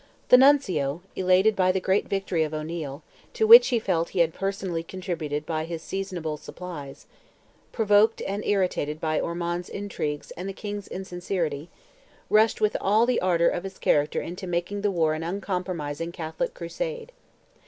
The Nuncio, elated by the great victory of O'Neil, to which he felt he had personally contributed by his seasonable supplies, provoked and irritated by Ormond's intrigues and the King's insincerity, rushed with all the ardour of his character into making the war an uncompromising Catholic crusade.